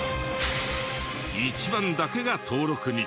一番だけが登録に。